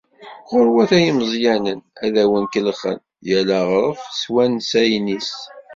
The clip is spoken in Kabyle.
Ɣurwat ay imeẓyanen, ad awen-kellxen, yal aɣref s wansayen-is.